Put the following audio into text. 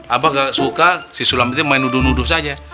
apa nggak suka si sulam itu main nuduh nuduh saja